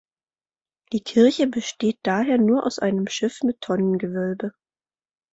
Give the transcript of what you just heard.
Die Kirche besteht daher nur aus einem Schiff mit Tonnengewölbe.